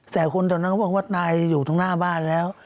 แต่คนตอนนั้นเขาบอกว่านายอยู่ตรงหน้าบ้านแล้ว